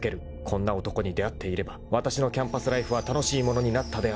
［こんな男に出会っていればわたしのキャンパスライフは楽しいものになったであろう］